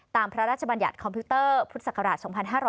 พระราชบัญญัติคอมพิวเตอร์พุทธศักราช๒๕๕๙